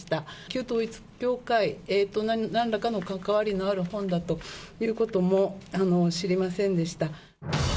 旧統一教会となんらかの関わりのある本だということも知りませんでした。